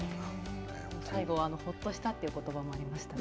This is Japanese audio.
最後は、ほっとしたということばもありましたね。